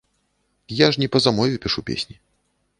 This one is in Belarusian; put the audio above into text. Я ж не па замове пішу песні.